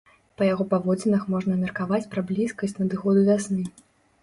Па яго паводзінах можна меркаваць пра блізкасць надыходу вясны.